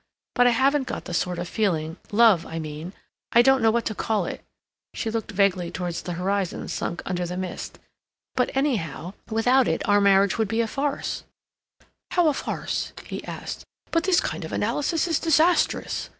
But I haven't got the sort of feeling—love, I mean—I don't know what to call it"—she looked vaguely towards the horizon sunk under mist—"but, anyhow, without it our marriage would be a farce—" "How a farce?" he asked. "But this kind of analysis is disastrous!"